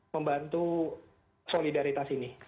membantu solidaritas ini